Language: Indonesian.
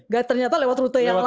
gak ternyata lewat rute yang lain